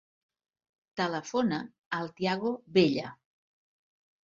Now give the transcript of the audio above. Telefona al Tiago Bella.